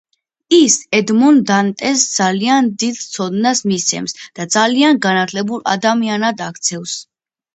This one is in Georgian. ის ედმონ დანტესს ძალიან დიდ ცოდნას მისცემს და ძალიან განათლებულ ადამიანად აქცევს.